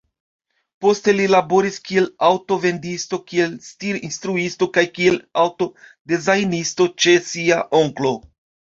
Poste li laboris kiel aŭto-vendisto, kiel stir-instruisto kaj kiel aŭto-dezajnisto ĉe sia onklo.